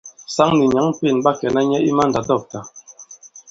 Saŋ nì nyǎŋ Pên ɓa kɛ̀na nyɛ i mandàdɔ̂ktà.